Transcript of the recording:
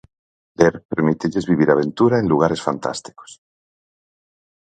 Ler permítelles vivir aventura en lugares fantásticos.